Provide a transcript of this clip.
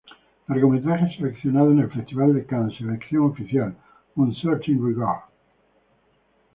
Largometraje Seleccionado en el Festival de Cannes: Sección oficial: Un Certain Regard".